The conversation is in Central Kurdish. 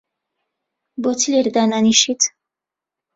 بۆچی لێرە دانانیشیت؟